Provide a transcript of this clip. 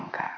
lu ke ada